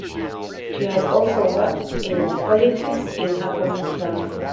She has also worked in politics in her hometown.